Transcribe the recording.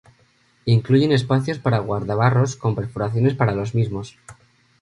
Incluyen espacios para guardabarros con perforaciones para los mismos.